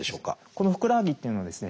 このふくらはぎっていうのはですね